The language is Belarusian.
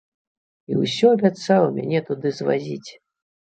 І ўсё абяцаў мяне туды звазіць.